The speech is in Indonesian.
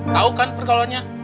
tau kan perkalanya